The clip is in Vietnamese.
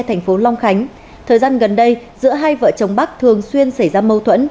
thời gian gần đây giữa hai vợ chồng bắc thường xuyên xảy ra mâu thuẫn